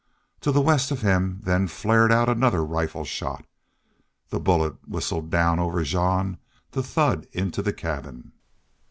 To the west of him then flared out another rifle shot. The bullet whistled down over Jean to thud into the cabin.